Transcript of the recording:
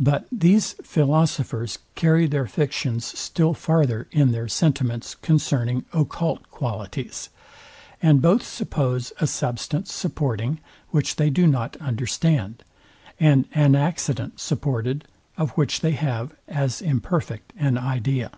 But these philosophers carry their fictions still farther in their sentiments concerning occult qualities, and both suppose a substance supporting, which they do not understand, and an accident supported, of which they have as imperfect an idea.